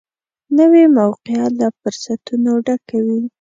نوې موقعه له فرصتونو ډکه وي